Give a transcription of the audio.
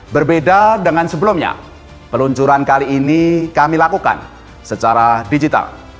berbeda dengan sebelumnya peluncuran kali ini kami lakukan secara digital